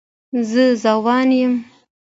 زه ځوان یم.